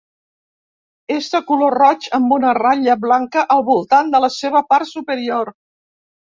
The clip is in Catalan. És de color roig amb una ratlla blanca al voltant de la seva part superior.